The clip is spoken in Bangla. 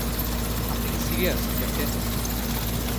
আপনি কি সিরিয়াস, ক্যাপ্টেন?